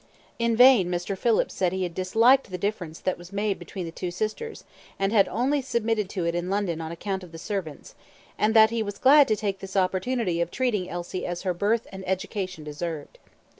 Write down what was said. In vain Mr. Phillips said he had disliked the difference that was made between the two sisters, and had only submitted to it in London on account of the servants, and that he was glad to take this opportunity of treating Elsie as her birth and education deserved.